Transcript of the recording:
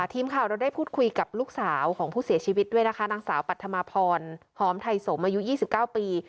ทีมข่าวเราได้พูดคุยกับลูกสาวของผู้เสียชีวิตด้วยนะคะนางสาวปัธมาพรหอมไทยสมอายุ๒๙ปี